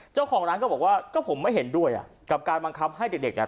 เจ้าของร้านก็บอกว่าก็ผมไม่เห็นด้วยอ่ะกับการบังคับให้เด็กเด็กอ่ะ